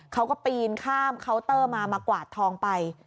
เขาก็ปีนข้ามเคาน์เตอร์มามากวาดทองไป